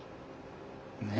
ねえ。